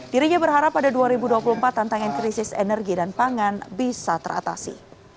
dirinya berharap pada dua ribu dua puluh empat tantangan krisis energi dan pangan bisa teratasi